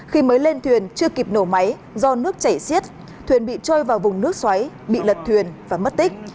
khi mới lên thuyền chưa kịp nổ máy do nước chảy xiết thuyền bị trôi vào vùng nước xoáy bị lật thuyền và mất tích